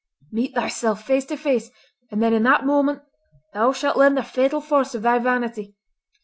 Meet thyself face to face, and then in that moment thou shalt learn the fatal force of thy vanity.